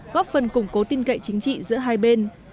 góp phần củng cố tin cậy chính trị giữa hai bên